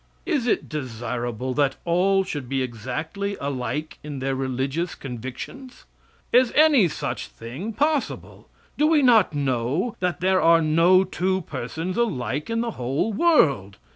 Is it desirable that all should be exactly alike in their religious convictions? Is any such thing possible? Do we not know that there are no two persons alike in the whole world?